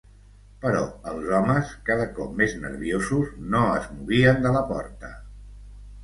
Però els homes, cada cop més nerviosos, no es movien de la porta.